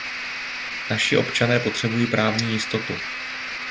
Naši občané potřebují právní jistotu.